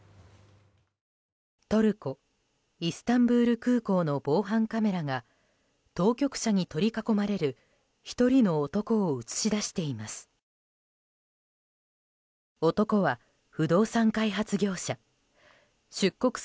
トルコ・イスタンブール空港の防犯カメラが当局者に取り囲まれる１人の男を映し出しています。